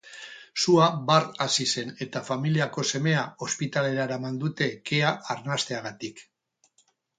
Sua bart hasi zen eta familiako semea ospitalera eraman dute kea arnasteagatik.